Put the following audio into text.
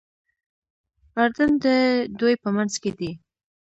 اردن د دوی په منځ کې دی.